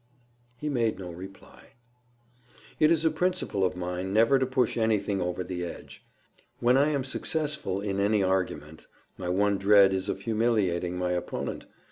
He made no reply. It is a principle of mine never to push anything over the edge. When I am successful, in any argument, my one dread is of humiliating my opponent.